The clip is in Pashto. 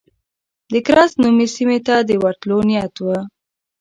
د کرز نومي سیمې ته د ورتلو نیت و.